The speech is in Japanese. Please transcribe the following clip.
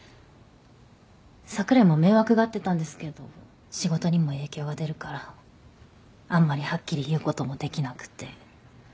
櫻井も迷惑がってたんですけど仕事にも影響が出るからあんまりはっきり言うこともできなくて。